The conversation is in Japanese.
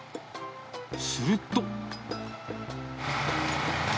すると。